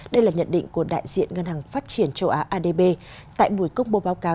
đây là nhận định của đại diện ngân hàng phát triển châu á adb tại buổi công bố báo cáo